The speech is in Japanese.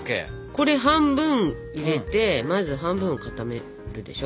これ半分入れてまず半分を固めるでしょ？